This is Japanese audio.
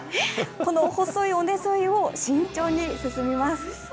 この細い尾根沿いを慎重に進みます。